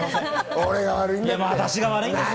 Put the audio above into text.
俺が悪いんだよ。